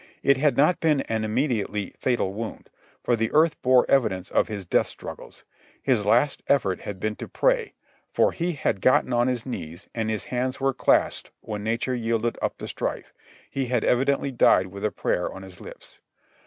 It had not been an immediately fatal wound, for the earth bore evidence of his death struggles; his last effort had been to pray, for he had gotten on his knees, and his hands were clasped when nature yielded up the strife; he had evidently died with a prayer on his lips.